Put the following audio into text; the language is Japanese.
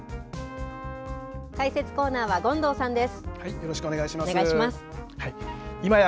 解説コーナーは権藤さんです。